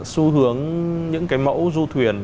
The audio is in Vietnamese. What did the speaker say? xu hướng những cái mẫu du thuyền